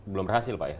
belum berhasil pak ya